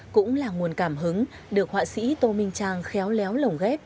cũng là nguồn cảm hứng được họa sĩ tô minh trang khéo léo lồng ghép